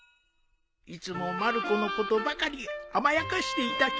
いつもまる子のことばかり甘やかしていた気がしての。